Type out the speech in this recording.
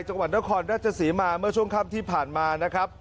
จังหวัดนครราชศรีมาเมื่อช่วงค่ำที่ผ่านมานะครับ